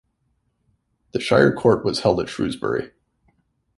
The shire court was held at Shrewsbury.